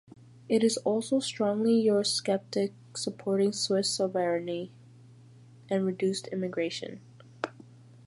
It is also strongly eurosceptic, supporting Swiss sovereignty and reduced immigration.